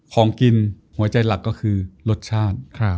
ของกินหัวใจหลักก็คือรสชาติ